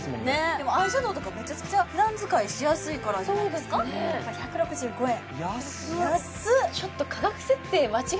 でもアイシャドウとかめちゃくちゃ普段使いしやすいカラーじゃないですか１６５円